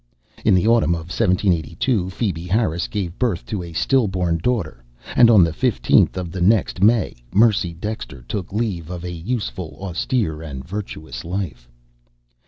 In the autumn of 1782 Phebe Harris gave birth to a still born daughter, and on the fifteenth of the next May Mercy Dexter took leave of a useful, austere, and virtuous life.